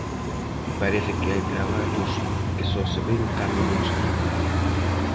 Parece que hai traballos que só se ven cando non se fan.